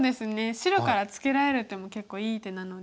白からツケられる手も結構いい手なので。